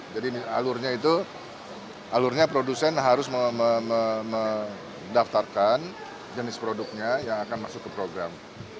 jadi alurnya itu alurnya produsen harus mendaftarkan jenis produknya yang akan masuk ke program